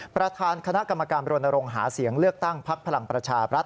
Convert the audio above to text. ประธานคณะกรรมการโรนโรงหาเสียงเลือกตั้งพักพลังประชาบรัฐ